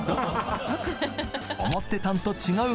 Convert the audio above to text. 「思ってたんと違う！」